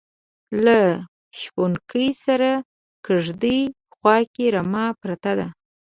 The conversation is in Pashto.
لکه شپونکي سره کیږدۍ خواکې رمه پرته ده